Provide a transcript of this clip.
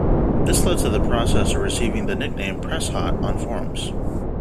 This led to the processor receiving the nickname "PresHot" on forums.